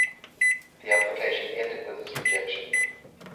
The application ended with his rejection.